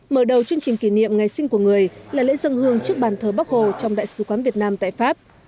mở đầu chương trình kỷ niệm ngày sinh của người là lễ dân hương trước bàn thờ bóc hồ trong đại sứ quán việt nam tại pháp